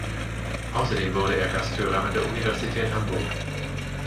Außerdem wurde er Gasthörer an der Universität Hamburg.